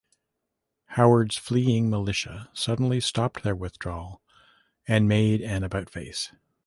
Howard's "fleeing" militia suddenly stopped their withdrawal and made an about-face.